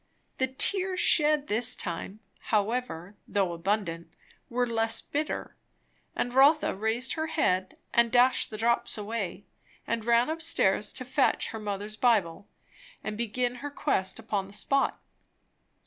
The tears shed this time, however, though abundant, were less bitter; and Rotha raised her head and dashed the drops away, and ran up stairs to fetch her mother's Bible and begin her quest upon the spot.